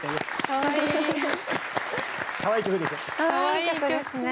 かわいい曲ですね。